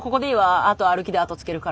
あとは歩きであとつけるから。